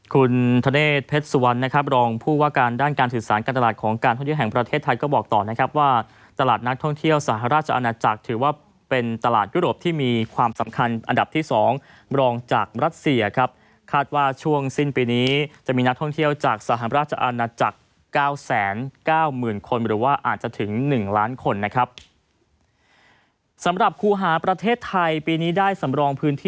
คุณธเนธเพชรสุวรรณนะครับรองผู้ว่าการด้านการถือสารการตลาดของการท่องเที่ยวแห่งประเทศไทยก็บอกต่อนะครับว่าตลาดนักท่องเที่ยวสหราชอาณาจักรถือว่าเป็นตลาดยุโรปที่มีความสำคัญอันดับที่๒รองจากรัฐเสียครับคาดว่าช่วงสิ้นปีนี้จะมีนักท่องเที่ยวจากสหราชอาณาจักร๙๙๐คนหรื